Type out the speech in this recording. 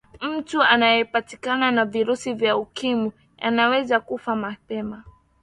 mtu aliyepatikana na virusi vya ukimwi anaweza kufa mapema